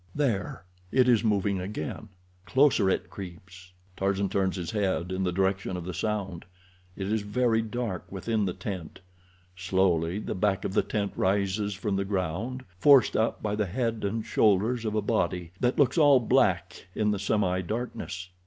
There! It is moving again. Closer it creeps. Tarzan turns his head in the direction of the sound. It is very dark within the tent. Slowly the back rises from the ground, forced up by the head and shoulders of a body that looks all black in the semi darkness.